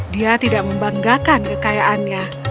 dia tidak membanggakan kekayaannya